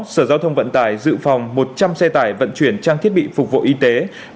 sở giao thông vận tải dự phòng một trăm linh xe tải vận chuyển trang thiết bị phục vụ y tế